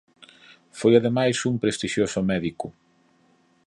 Foi ademais un prestixioso médico.